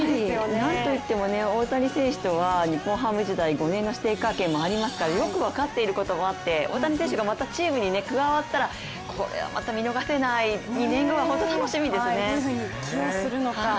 何といっても大谷選手とは日本ハム時代、５年の師弟関係もありますからよく分かっていることもあって大谷選手がまたチームに加わったらこれは見逃せない２年後が本当に楽しみですね。